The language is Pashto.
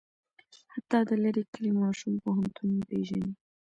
حتی د لرې کلي ماشوم پوهنتون پېژني.